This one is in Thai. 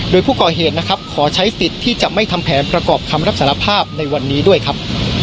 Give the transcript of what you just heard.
โดยผู้ก่อเหตุนะครับขอใช้สิทธิ์ที่จะไม่ทำแผนประกอบคำรับสารภาพในวันนี้ด้วยครับ